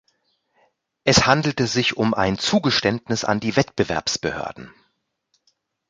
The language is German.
Es handelte sich um ein Zugeständnis an die Wettbewerbsbehörden.